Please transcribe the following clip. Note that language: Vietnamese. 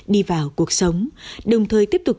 đi vào cuộc sống đồng thời tiếp tục